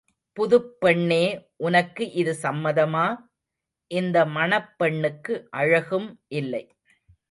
புதுப் பெண்ணே உனக்கு இது சம்மதமா? இந்த மணப்பெண்ணுக்கு அழகும் இல்லை.